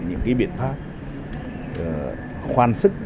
những biện pháp khoan sức